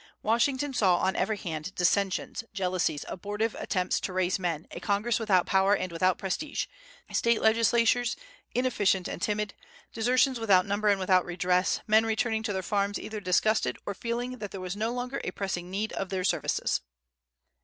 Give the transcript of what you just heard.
Washington saw on every hand dissensions, jealousies, abortive attempts to raise men, a Congress without power and without prestige, State legislatures inefficient and timid, desertions without number and without redress, men returning to their farms either disgusted or feeling that there was no longer a pressing need of their services.